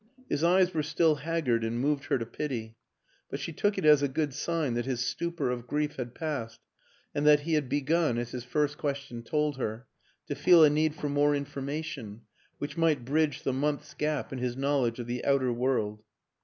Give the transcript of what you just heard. His eyes were still haggard and moved her to pity, but she took it as a good sign that his stupor of grief had passed and that he had begun (as his first question told her) to feel a need for more information which might bridge the month's gap in his knowledge of the outer world.